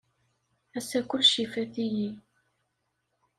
Ass-a kullec ifat-iyi.